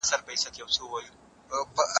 شاګرد که فکر یې بل ځای وي، درس ته تمرکز نه لري.